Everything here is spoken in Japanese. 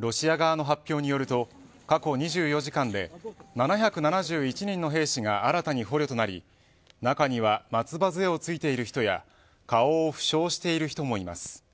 ロシア側の発表によると過去２４時間で７７１人の兵士が新たに捕虜となり中には松葉杖をついている人や顔を負傷している人もいます。